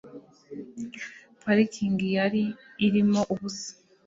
Parikingi yari irimo ubusa